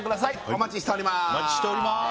お待ちしております